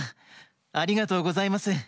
ありがとうございます。